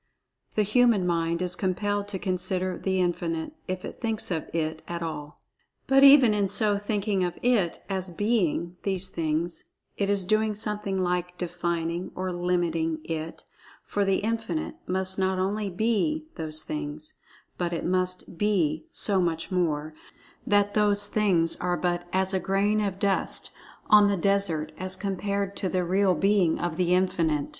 The human mind is compelled to so consider The Infinite, if it thinks of It at all. But even in so thinking of It as "being" these things, it is doing something like "defining" or "limiting" It, for The Infinite must not only "be" those things, but it must "be" so much more, that "those things" are but as a grain of dust on the desert as compared to the real "Being" of The Infinite.